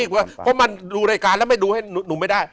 เพราะมันดูรายการแล้วไม่ดูให้หนุ่มไม่ได้